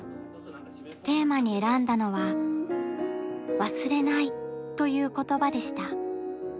テーマに選んだのは「忘れない」という言葉でした。